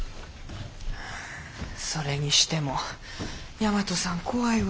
それにしても大和さん怖いわ。